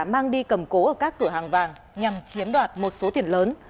mang đi cầm cố ở các cửa hàng vàng nhằm chiếm đoạt một số tiền lớn